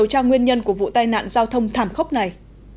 trong một tài nạn giao thông thảm khốc này